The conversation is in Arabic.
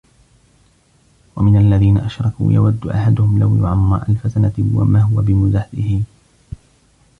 وَمِنَ الَّذِينَ أَشْرَكُوا ۚ يَوَدُّ أَحَدُهُمْ لَوْ يُعَمَّرُ أَلْفَ سَنَةٍ وَمَا هُوَ بِمُزَحْزِحِهِ